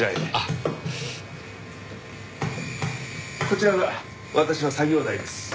こちらが私の作業台です。